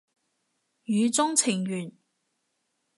語中程緣